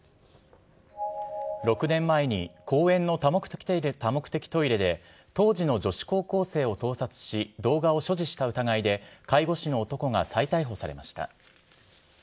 ６年前に、公園の多目的トイレで当時の女子高校生を盗撮し、動画を所持した疑いで、介護士の男が再逮捕されました。